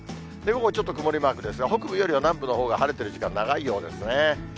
午後、ちょっと曇りマークですが、北部よりは南部のほうが晴れてる時間、長いようですね。